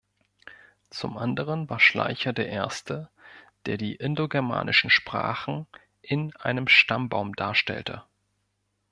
Zum anderen war Schleicher der erste, der die indogermanischen Sprachen in einem Stammbaum darstellte.